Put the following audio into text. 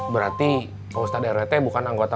berarti pak ustadz r e t bukan anggota